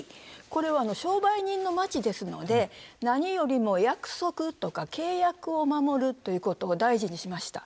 これは商売人の街ですので何よりも約束とか契約を守るということを大事にしました。